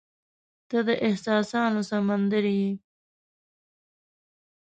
• ته د احساسونو سمندر یې.